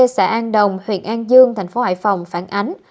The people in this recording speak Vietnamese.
xã an đồng huyện an dương thành phố hải phòng phản ánh